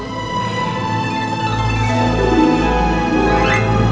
tidak ada dahan